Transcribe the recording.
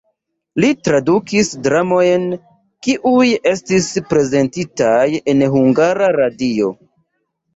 Li tradukis dramojn, kiuj estis prezentitaj en Hungara Radio.